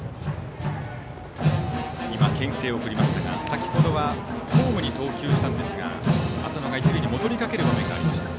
先ほどはホームに投球したんですが浅野が一塁に戻りかける場面がありました。